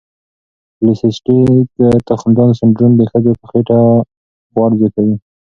پولی سیسټیک تخمدان سنډروم د ښځو په خېټه غوړ زیاتوي.